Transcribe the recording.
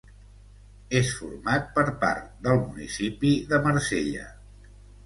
És format per part del municipi de Marsella.